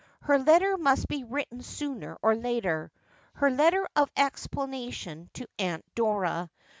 Her letter must be written sooner or later, her letter of explanation to Aunt Dora.